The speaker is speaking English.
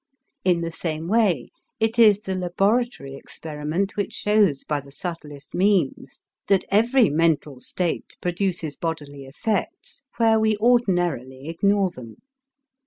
In the same way it is the laboratory experiment which shows by the subtlest means that every mental state produces bodily effects where we ordinarily ignore them.